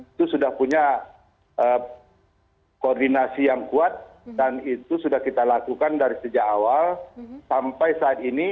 itu sudah punya koordinasi yang kuat dan itu sudah kita lakukan dari sejak awal sampai saat ini